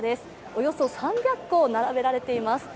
およそ３００個並べられています。